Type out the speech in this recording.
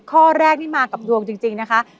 ข้อแรกนี่มากับดวงจริงนะคะ